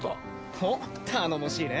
おっ頼もしいね。